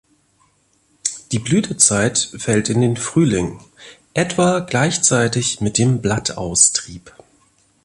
Die Blütezeit fällt in den Frühling, etwa gleichzeitig mit dem Blattaustrieb.